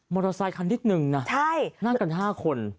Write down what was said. มอเตอร์ไซค์คันนิดหนึ่งน่ะนั่นกัน๕คนใช่